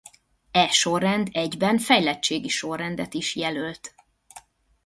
E sorrend egyben fejlettségi sorrendet is jelölt.